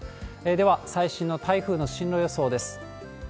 では、最新の台風の進路予想です。